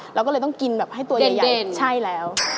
เราก็เลยต้องกินแบบให้ตัวใหญ่ใช่แล้ว